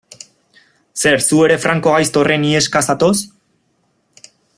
Zer, zu ere Franco gaizto horren iheska zatoz?